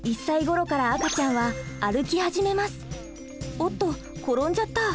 おっと転んじゃった！